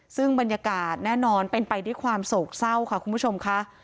ซึ่งบรรยากาศแน่นอนเป็นไปด้วยความโศกเศร้าค่ะคุณผู้ชมค่ะ